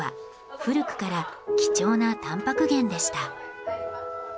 古くから貴重なたんぱく源でした。